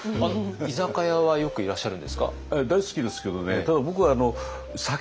居酒屋はよくいらっしゃるんですか？